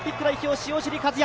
塩尻和也。